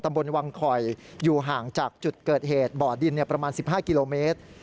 บนวังคอยอยู่ห่างจากจุดเกิดเหตุบ่อดินประมาณ๑๕กิโลเมตร